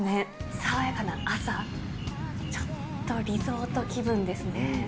爽やかな朝、ちょっとリゾート気分ですね。